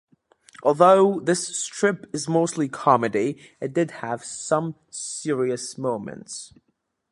Although this strip is mostly comedy, it did have some serious moments.